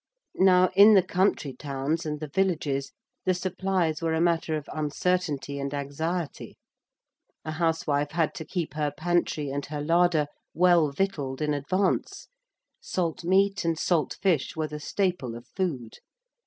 Now in the country towns and the villages the supplies were a matter of uncertainty and anxiety: a housewife had to keep her pantry and her larder well victualled in advance: salt meat and salt fish were the staple of food.